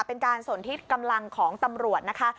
เป็นการสนทิศกำลังของตำรวจนะคะ